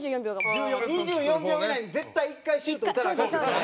蛍原：２４秒以内に絶対、１回シュート打たなアカンって事ね。